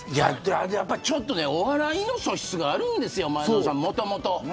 ちょっとお笑いの素質があるんですよ、前園さん。